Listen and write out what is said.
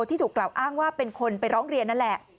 ที่ถูกกล่าวอ้างว่าเป็นคนไปร้องเรียนนั่นแหละ